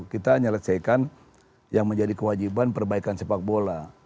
kita hanya menyesuaikan yang menjadi kewajiban perbaikan sepak bola